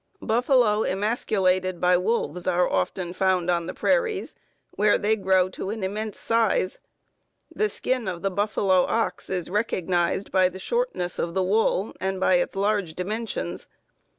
Buffalo emasculated by wolves are often found on the prairies, where they grow to an immense size; the skin of the buffalo ox is recognized by the shortness of the wool and by its large dimensions.